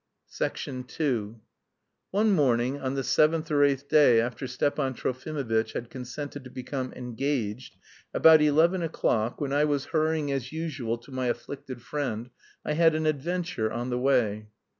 II One morning, on the seventh or eighth day after Stepan Trofimovitch had consented to become "engaged," about eleven o'clock, when I was hurrying as usual to my afflicted friend, I had an adventure on the way.